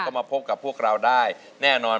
ก็มาพบกับพวกเราได้แน่นอน